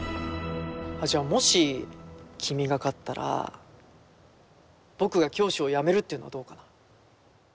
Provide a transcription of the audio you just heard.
あっじゃあもし君が勝ったら僕が教師を辞めるっていうのはどうかな？